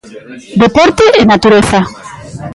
Deporte e natureza.